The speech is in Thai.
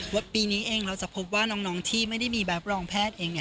ปีนี้เองเราจะพบว่าน้องที่ไม่ได้มีแบบรองแพทย์เอง